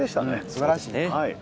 すばらしいね。